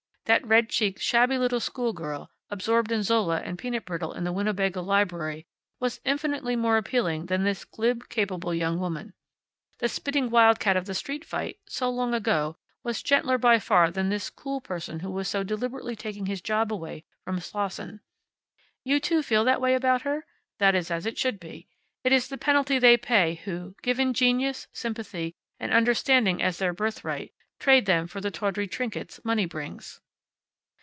That red cheeked, shabby little schoolgirl, absorbed in Zola and peanut brittle in the Winnebago library, was infinitely more appealing than this glib and capable young woman. The spitting wildcat of the street fight so long ago was gentler by far than this cool person who was so deliberately taking his job away from Slosson. You, too, feel that way about her? That is as it should be. It is the penalty they pay who, given genius, sympathy, and understanding as their birthright, trade them for the tawdry trinkets money brings.